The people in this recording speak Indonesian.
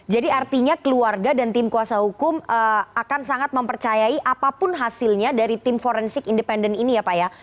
jadi artinya keluarga dan tim kuasa hukum akan sangat mempercayai apapun hasilnya dari tim forensik independen ini ya pak ya